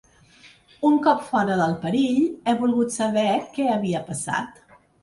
Un cop fora del perill, he volgut saber què havia passat.